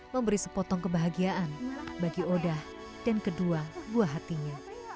memberi sepotong kebahagiaan bagi odah dan kedua buah hatinya